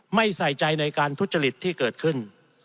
ไม่ใส่ใจในการทุจริตที่เกิดขึ้น